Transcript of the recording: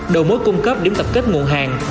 đầu mối cung cấp điểm tập kết nguồn hàng